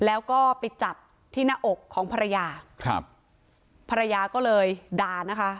แล้วก็ไปจับที่หน้าอกของภรรยาครับภรรยาก็เลยด่านะคะ